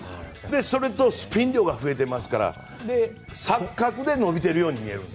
それとスピン量が増えていますから錯覚で伸びているように見えると。